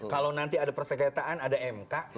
kalau nanti ada persengketaan ada mk